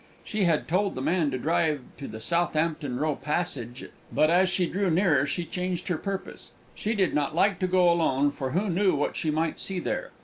She had told the man to drive to the Southampton Row Passage at first, but, as she drew nearer, she changed her purpose; she did not like to go alone, for who knew what she might see there?